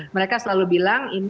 mereka selalu bilang